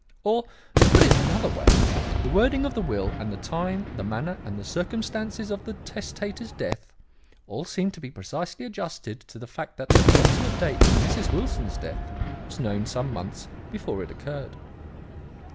Or, to put it in another way: the wording of the will and the time, the manner and the circumstances of the testator's death, all seemed to be precisely adjusted to the fact that the approximate date of Mrs. Wilson's death was known some months before it occurred.